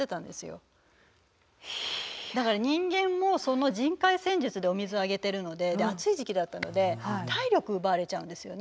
だから人間も人海戦術でお水をあげてるのでで暑い時期だったので体力奪われちゃうんですよね。